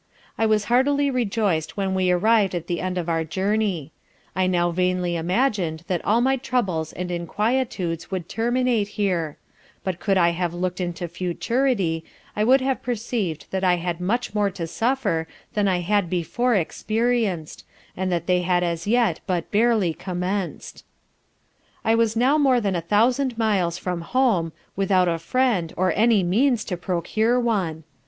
I was heartily rejoic'd when we arriv'd at the end of our journey: I now vainly imagin'd that all my troubles and inquietudes would terminate here; but could I have looked into futurity, I should have perceiv'd that I had much more to suffer than I had before experienc'd, and that they had as yet but barely commenc'd. I was now more than a thousand miles from home, without a friend or any means to procure one.